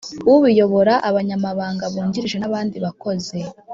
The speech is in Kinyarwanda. ubiyobora abanyamabanga bungirije n abandi bakozi